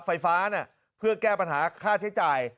ไฟฟ้าเพื่อแก้ปัญหาค่าใช้จ่าย